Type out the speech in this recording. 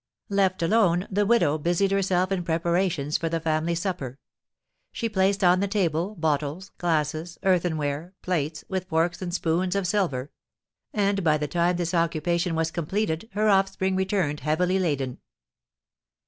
Left alone, the widow busied herself in preparations for the family supper. She placed on the table bottles, glasses, earthenware, plates, with forks and spoons of silver; and, by the time this occupation was completed, her offspring returned heavily laden.